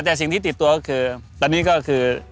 แต่สิ่งที่ติดตัวก็คือตอนนี้ก็คือ